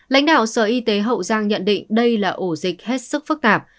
lãnh đạo sở y tế hậu giang nhận định đây là ổ dịch hết sức phức tạp